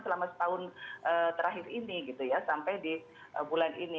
selama setahun terakhir ini gitu ya sampai di bulan ini